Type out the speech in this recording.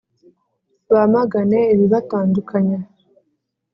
Bamagane ibibatandukanya